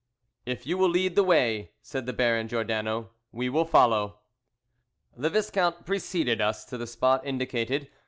"If you will lead the way," said the Baron Giordano, "we will follow." The Viscount preceded us to the spot indicated.